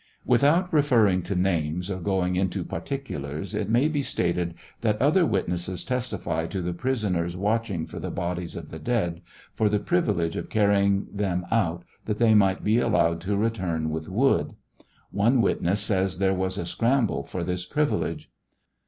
Without referring to names or going into particulars it may be stated that other witnesses testify to the prisoners watching for the bodies of the deail, for the privilege of carrying them out, that they might be allowed to retui'n with wood. One witness says there was a scramble for this privilege.